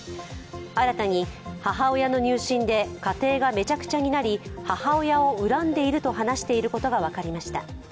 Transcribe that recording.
新たに母親の入信で家庭がめちゃくちゃになり母親を恨んでいると話していることが分かりました。